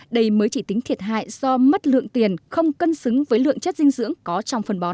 đây mới chỉ tính thiệt hại do mất lượng tiền không cân xứng với lượng chất dinh dưỡng có trong phân bón